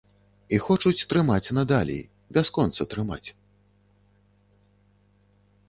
І хочуць трымаць надалей, бясконца трымаць.